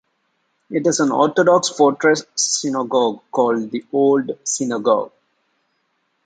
It is an Orthodox fortress synagogue called the Old Synagogue.